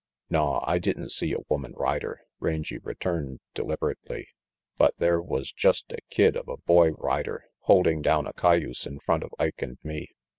"Naw, I didn't see a woman rider," Rangy returned deliberately, "but there was just a kid of a boy rider holding down a cayuse in front of Ike and me.